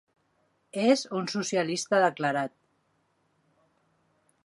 És un socialista declarat.